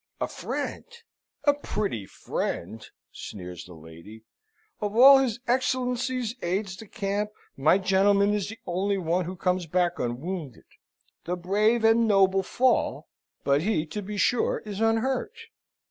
"A friend! A pretty friend!" sneers the lady. "Of all his Excellency's aides de camp, my gentleman is the only one who comes back unwounded. The brave and noble fall, but he, to be sure, is unhurt.